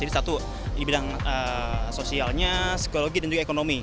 jadi satu di bidang sosialnya psikologi dan juga ekonomi